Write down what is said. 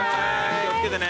気を付けてね。